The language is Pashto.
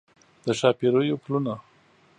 د ښاپیریو پلونه